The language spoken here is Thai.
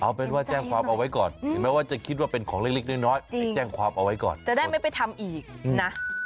เห็นไหมว่าจะคิดว่าเป็นของเล็กนี่จะแจ้งความเอาไว้ก่อน